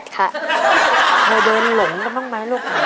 ๘ค่ะ